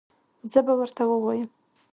زه به ورته ووایم